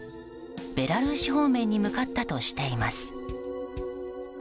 ベラルーシ方面に向かったとしています。